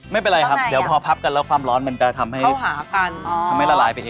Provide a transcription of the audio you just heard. ไม่เป็นไรครับเดี๋ยวพอพับกันแล้วความร้อนมันจะทำให้ละลายไปเอง